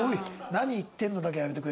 「何言ってんの」だけはやめてくれる？